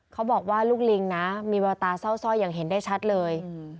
เขาบอกว่าลูกลิงนะมีแววตาเศร้าซ่อยอย่างเห็นได้ชัดเลย